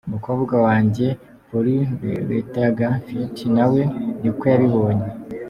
Umukobwa wanjye Polly Ruettgers Fields nawe niko yabibonye.